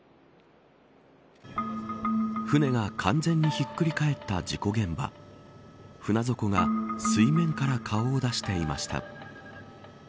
舟が完全にひっくり返った事故現場船底が水面から顔を出していました。